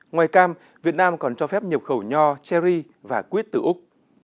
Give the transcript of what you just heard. ngoài cam việt nam còn cho phép nhập khẩu nho cherry và quýt từ úc